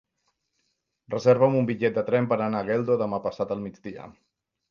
Reserva'm un bitllet de tren per anar a Geldo demà passat al migdia.